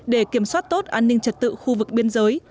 để kiểm soát tốt an ninh trật tự khu vực biên giới